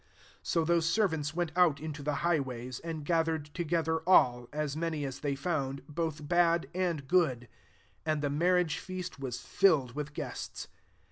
10 So those servantlj went out into the high waysk and gathered together all, M many as they found, both ba<^ and good; and the marriage^ feast was filled with guests.